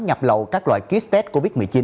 nhập lậu các loại kit test covid một mươi chín